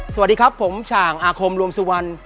สวัสดีครับผมฉ่างอาคมรวมสุวรรณ